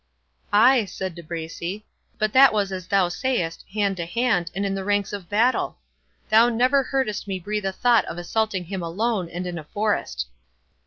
"Ay," said De Bracy, "but that was as thou sayest, hand to hand, and in the ranks of battle! Thou never heardest me breathe a thought of assaulting him alone, and in a forest."